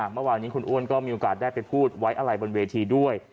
เมื่อวานนี้คุณอ้วนก็มีโอกาสได้ไปพูดไว้อะไรบนเวทีด้วย